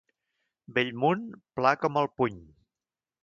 Bellmunt, pla com el puny.